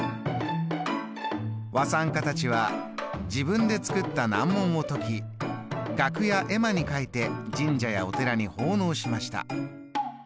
和算家たちは自分で作った難問を解き額や絵馬に書いて神社やお寺に奉納しました。